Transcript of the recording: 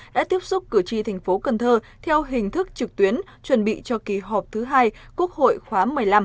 đã tiếp xúc cử tri thành phố cần thơ theo hình thức trực tuyến chuẩn bị cho kỳ họp thứ hai quốc hội khóa một mươi năm